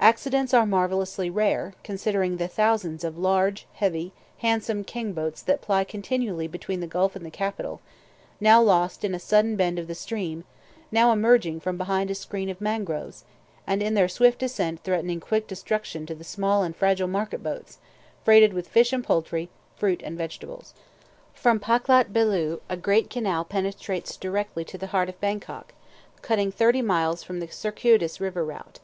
Accidents are marvellously rare, considering the thousands of large, heavy, handsome keng boats that ply continually between the gulf and the capital, now lost in a sudden bend of the stream, now emerging from behind a screen of mangroves, and in their swift descent threatening quick destruction to the small and fragile market boats, freighted with fish and poultry, fruit and vegetables. From Paklat Beeloo a great canal penetrates directly to the heart of Bangkok, cutting off thirty miles from the circuitous river route.